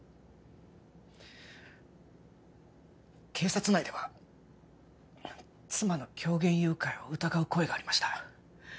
警察内では妻の狂言誘拐を疑う声がありました